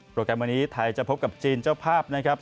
โปรแกรมวันนี้ไทยจะพบกับจีนเจ้าภาพ